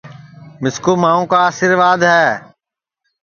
مِسکُو ماؤں کا آسرِواد ہے